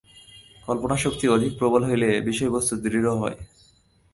কল্পনাশক্তি অধিক প্রবল হইলে বিষয়বস্তু দৃষ্ট হয়।